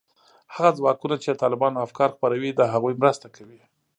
هغه ځواکونو چې د طالبانو افکار خپروي، د هغوی مرسته کوي